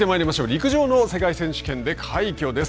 陸上の世界選手権で快挙です。